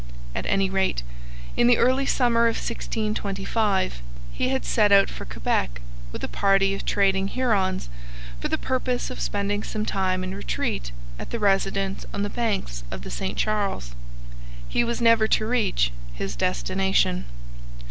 At any rate, in the early summer of 1625 he had set out for Quebec with a party of trading Hurons for the purpose of spending some time in retreat at the residence on the banks of the St Charles. He was never to reach his destination.